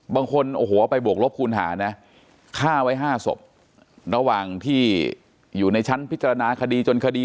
บางคนโอ้โหไปบวกลบคูณหานะฆ่าไว้๕ศพระหว่างที่อยู่ในชั้นพิจารณาคดีจนคดี